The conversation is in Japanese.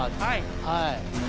はい。